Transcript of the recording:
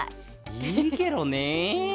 いいケロね。